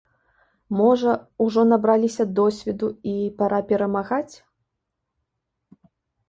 Можа, ужо набраліся досведу і пара перамагаць?